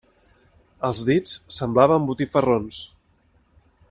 Els dits semblaven botifarrons.